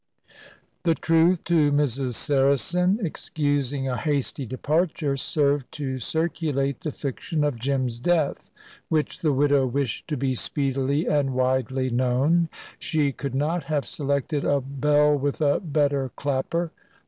The truth to Mrs. Saracen, excusing a hasty departure, served to circulate the fiction of Jim's death, which the widow wished to be speedily and widely known. She could not have selected a bell with a better clapper.